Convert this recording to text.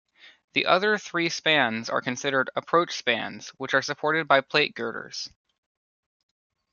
The other three spans are considered approach spans, which are supported by plate girders.